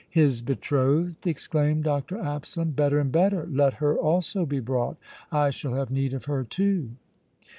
"His betrothed!" exclaimed Dr. Absalom. "Better and better! Let her also be brought! I shall have need of her too!"